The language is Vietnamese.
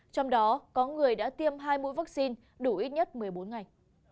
trong đó có người đã tiêm hai mũi vaccine đủ ít nhất một mươi bốn ngày